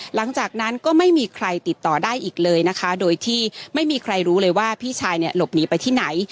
หลังจากนั้นก็ไม่มีใครติดต่อได้อีกเลยนะคะโดยที่ไม่มีใครรู้เลยว่าพี่ชายเนี่ยหลบหนีไปที่ไหน